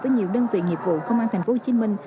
với nhiều đơn vị nghiệp vụ công an thành phố hồ chí minh